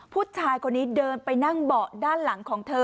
ผู้ชายคนนี้เดินไปนั่งเบาะด้านหลังของเธอ